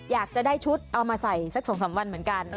อยากจะได้ชุดเอามาใส่สัก๒๓วันเหมือนกัน